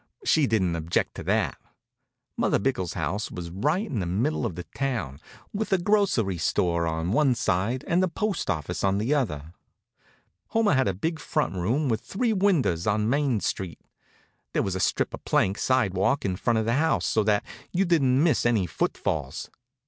She didn't object to that. Mother Bickell's house was right in the middle of the town, with a grocery store on one side and the postoffice on the other. Homer had a big front room with three windows on Main Street. There was a strip of plank sidewalk in front of the house, so that you didn't miss any footfalls.